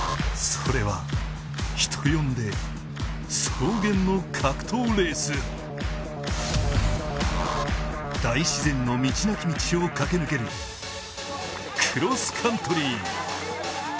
それは人呼んで大自然の道なき道を駆け抜けるクロスカントリー